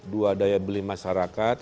dua daya beli masyarakat